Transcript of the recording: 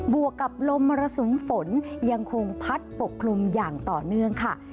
วกกับลมมรสุมฝนยังคงพัดปกคลุมอย่างต่อเนื่องค่ะ